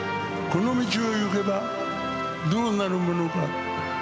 この道を行けばどうなるものか。